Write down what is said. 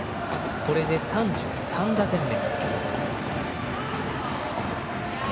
これで３３打点目。